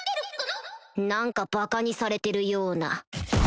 ・何かバカにされてるような